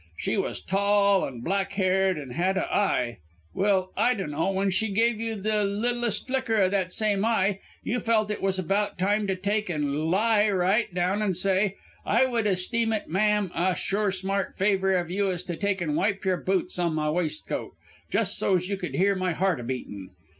She was tall, an' black haired, and had a eye ... well, I dunno; when she gave you the littlest flicker o' that same eye, you felt it was about time to take an' lie right down an' say, 'I would esteem it, ma'am, a sure smart favour if you was to take an' wipe your boots on my waistcoat, jus' so's you could hear my heart a beatin'.